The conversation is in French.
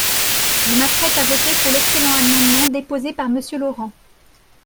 Je m’apprête à voter pour l’excellent amendement déposé par Monsieur Laurent.